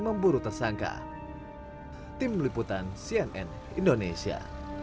memburu tersangka tim liputan cnn indonesia